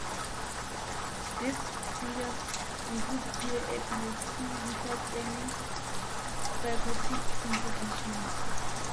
These figures include pure epilepsy without any psychotic complications.